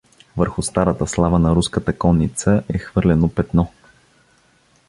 Върху старата слава на руската конница е хвърлено петно.